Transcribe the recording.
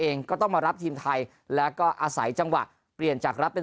เองก็ต้องมารับทีมไทยแล้วก็อาศัยจังหวะเปลี่ยนจากรับเป็น